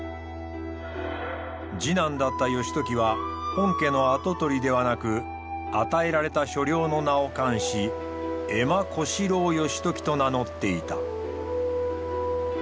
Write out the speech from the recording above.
次男だった義時は本家の跡取りではなく与えられた所領の名を冠し江間小四郎義時と名乗っていた。